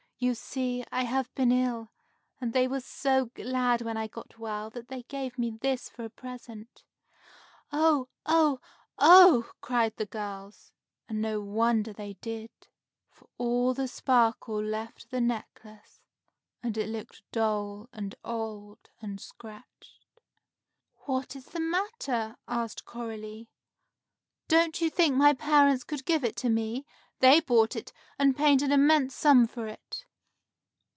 You see, I have been ill, and they were so glad when I got well that they gave me this for a present." "Oh! Oh! Oh!" cried the girls. And no wonder they did, for all the sparkle left the necklace, and it looked dull and old and scratched. "What is the matter?" asked Coralie. "Don't you think my parents could give it to me? They bought it, and paid an immense sum for it."